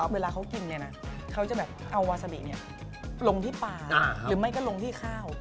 เวลาเขากินเนี่ยนะเขาจะแบบเอาวาซาบิลงที่ปลาหรือไม่ก็ลงที่ข้าว